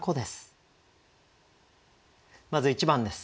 まず１番です。